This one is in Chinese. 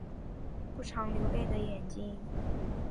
不常流泪的眼睛